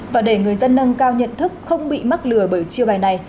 và để người dân nâng cao nhận thức không bị mắc lừa bởi chiêu bài này